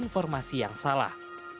atau informasi yang salah